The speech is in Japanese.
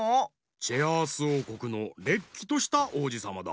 チェアースおうこくのれっきとしたおうじさまだ。